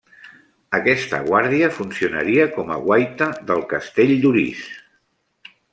Aquesta guàrdia funcionaria com a guaita del castell d'Orís.